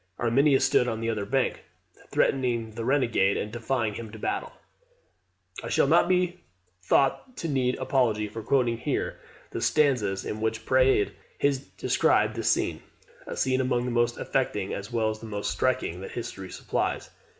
Arminius stood on the other bank, threatening the renegade, and defying him to battle. I shall not be thought to need apology for quoting here the stanzas in which Praed has described this scene a scene among the most affecting, as well as the most striking, that history supplies.